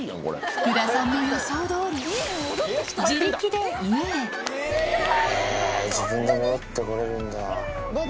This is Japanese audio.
福田さんの予想どおり自分で戻ってこれるんだ。